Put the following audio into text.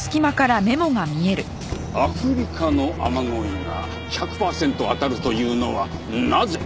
アフリカの雨乞いが１００パーセント当たるというのはなぜ？